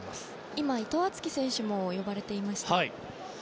今、伊藤敦樹選手も呼ばれていました。